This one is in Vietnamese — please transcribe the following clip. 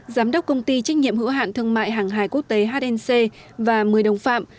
giám đốc công ty trách nhiệm hữu hạn thương mại hàng hài quốc tế hnc và một mươi đồng phạm